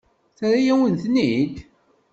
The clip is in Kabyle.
Terra-yawen-ten-id?